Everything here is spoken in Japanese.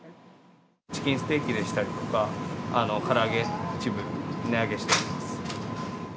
チキンステーキでしたりとか、から揚げ、一部値上げしています。